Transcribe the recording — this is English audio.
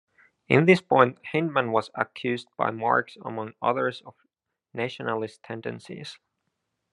In this point Hyndman was accused by Marx among others of nationalist tendencies.